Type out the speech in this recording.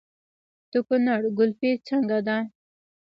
د کونړ ګلپي څنګه ده؟